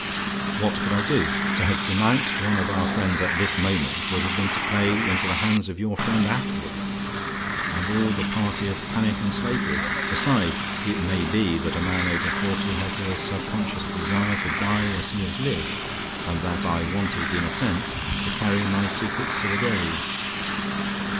What could I do? To have denounced one of our friends at this moment would have been to play into the hands of your friend Attwood, and all the party of panic and slavery. Besides, it may be that a man over forty has a subconscious desire to die as he has lived, and that I wanted, in a sense, to carry my secrets to the grave.